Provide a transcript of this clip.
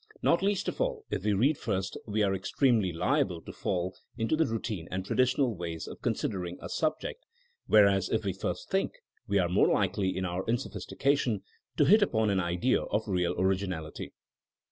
Not least of all, if we read first we are extremely liable to fall into the routine and traditional ways of considering a subject, whereas if we first think, we are more likely in our insophistication to hit upon an idea of real originality.